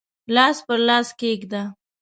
لاس پر لاس کښېږده